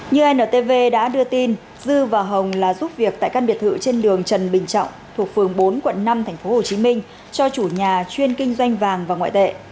như antv đã đưa tin dư và hồng là giúp việc tại căn biệt thự trên đường trần bình trọng thuộc phường bốn quận năm tp hcm cho chủ nhà chuyên kinh doanh vàng và ngoại tệ